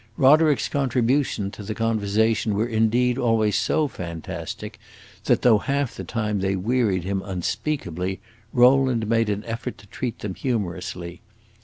Roderick's contributions to the conversation were indeed always so fantastic that, though half the time they wearied him unspeakably, Rowland made an effort to treat them humorously.